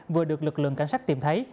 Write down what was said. vừa được lực lượng cảnh sát tìm thấy